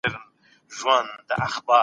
انسان پدیدې د ځان سره پرتله کوي.